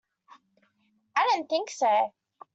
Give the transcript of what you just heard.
I don't think so.